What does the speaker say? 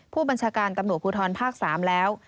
ผู้บัญชาการตำรวจภูทรภาค๓แล้ว